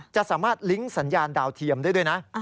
จะสามารถลิงก์สัญญาณดาวเทียมได้ด้วยนะ